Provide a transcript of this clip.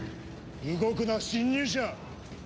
動くな侵入者！